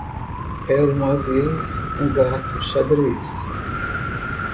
Era uma vez, um gato xadrez.